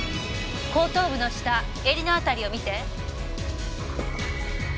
後頭部の下襟の辺りを見て。